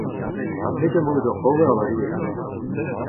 Petra emaout oc'h ober ma Doue ?